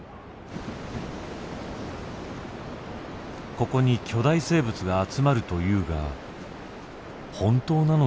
ここに巨大生物が集まるというが本当なのだろうか？